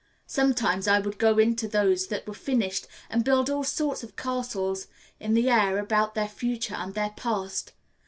Sometimes I would go into those that were finished and build all sorts of castles in the air about their future and their past.